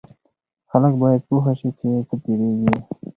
خلک باید پوه شي چې څه تیریږي.